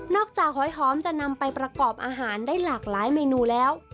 จากหอยหอมจะนำไปประกอบอาหารได้หลากหลายเมนูแล้ว